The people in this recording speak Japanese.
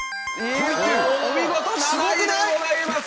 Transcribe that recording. お見事７位でございます！